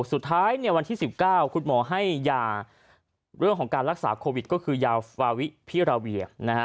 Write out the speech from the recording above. วันที่๑๙คุณหมอให้ยาเรื่องของการรักษาโควิดก็คือยาฟาวิพิราเวีย